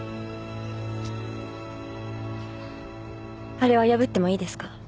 あれは破ってもいいですか？